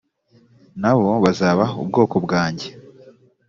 nabo bazaba ubwoko bwanjye .